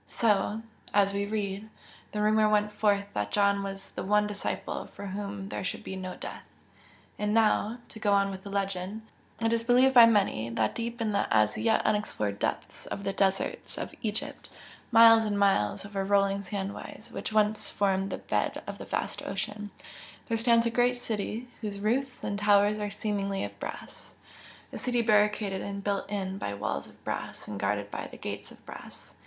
So as we read the rumour went forth that John was the one disciple for whom there should be no death. And now to go on with the legend it is believed by many, that deep in the as yet unexplored depths of the deserts of Egypt miles and miles over rolling sand waves which once formed the bed of a vast ocean, there stands a great city whose roofs and towers are seemingly of brass, a city barricaded and built in by walls of brass and guarded by gates of brass.